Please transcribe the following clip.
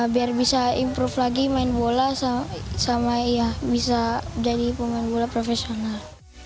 biar bisa improve lagi main bola sama bisa jadi pemain bola profesional